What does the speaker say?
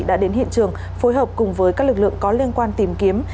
đã đến hiện trường phối hợp cùng với các lực lượng có liên quan tìm kiếm